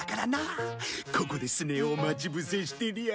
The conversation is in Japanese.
ここでスネ夫を待ちぶせしてりゃ。